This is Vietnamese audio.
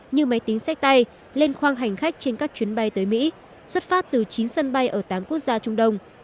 như máy tính sách tay lên khoang hành khách trên các chuyến bay tới mỹ xuất phát từ chín sân bay ở tám quốc gia trung đông